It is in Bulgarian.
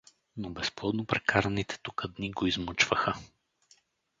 Но безплодно прекараните тука дни го измъчваха.